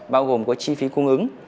bao gồm có chi phí cung ứng